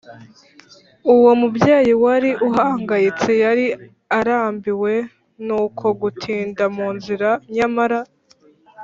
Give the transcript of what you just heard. uwo mubyeyi wari uhangayitse yari arambiwe n’uko gutinda mu nzira, nyamara